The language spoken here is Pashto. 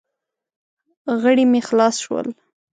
غړي مې خلاص شول.